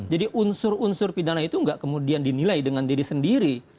jadi unsur unsur pindahan itu tidak kemudian dinilai dengan diri sendiri